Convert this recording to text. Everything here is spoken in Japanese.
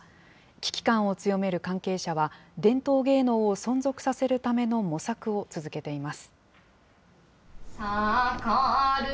危機感を強める関係者は、伝統芸能を存続させるための模索を続けています。